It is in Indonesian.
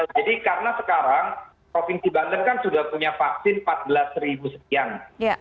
jadi karena sekarang provinsi banten kan sudah punya vaksin empat belas sekian